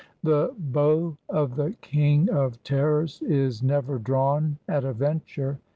The bow of the king of terrors is never drawn at a venture.